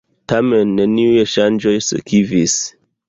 Tamen neniuj ŝanĝoj sekvis.